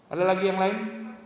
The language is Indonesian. ada lagi yang lain